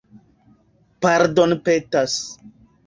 pardonpetas